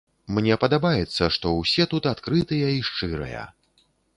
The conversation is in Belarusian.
Мне падабаецца, што ўсе тут адкрытыя і шчырыя.